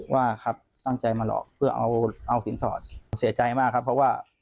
ว่าครับตั้งใจมาหลอกเพื่อเอาสินสอดผมเสียใจมากครับเพราะว่า